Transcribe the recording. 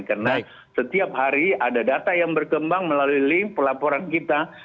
karena setiap hari ada data yang berkembang melalui link pelaporan kita